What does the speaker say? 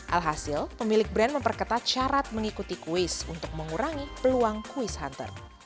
alhasil pemilik brand memperketat syarat mengikuti kuis untuk mengurangi peluang kuis hunter